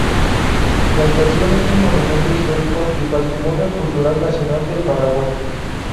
La estación es un monumento histórico y patrimonio cultural nacional de Paraguay.